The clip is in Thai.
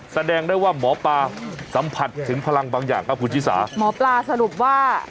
แสดงได้ว่าหมอปลาสัมผัสถึงพลังบางอย่างครับคุณชิสาหมอปลาสรุปว่า